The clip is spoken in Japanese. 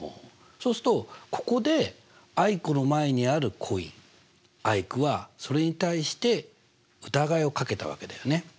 そうするとここでアイクの前にあるコインアイクはそれに対して疑いをかけたわけだよね。